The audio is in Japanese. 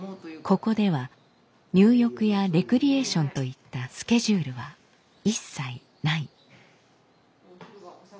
ここでは入浴やレクリエーションといったスケジュールは一切ない。